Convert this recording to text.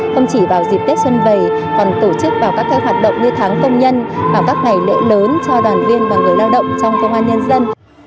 không chỉ vào dịp tết xuân vầy còn tổ chức vào các hoạt động như tháng công nhân vào các ngày lễ lớn cho đoàn viên và người lao động trong công an nhân dân